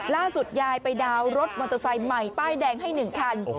ล่าสุดยายไปดาวน์รถมอเตอร์ไซค์ใหม่ป้ายแดงให้๑คัน